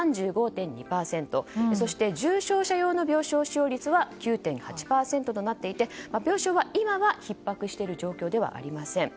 そして、重症者用の病床使用率は９．８％となっていて病床は今はひっ迫している状況ではありません。